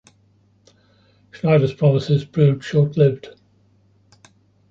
Schneider's promises proved short-lived.